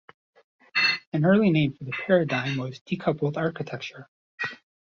An early name for the paradigm was "decoupled architecture".